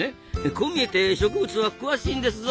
こう見えて植物は詳しいんですぞ。